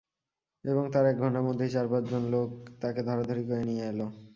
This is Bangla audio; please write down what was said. এবং তার এক ঘণ্টার মধ্যেই চার-পাঁচ জন লোক তাকে ধরাধরি করে নিয়ে এল।